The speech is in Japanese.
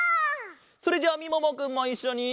それじゃあみももくんもいっしょに。